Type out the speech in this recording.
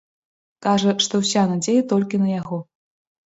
Кажа, што ўся надзея толькі на яго.